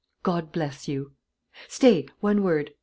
God bless you!" "Stay; one word.